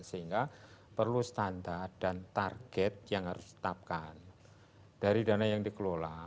sehingga perlu standar dan target yang harus ditetapkan dari dana yang dikelola